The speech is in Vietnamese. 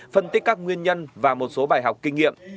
phân tích các nguyên nhân và một số bài học kinh nghiệm